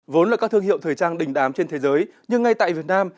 vốn là các thương hiệu thời trang đình đám trên thế giới nhưng ngay tại việt nam